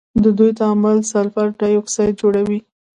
د دوی تعامل سلفر ډای اکسايډ جوړوي.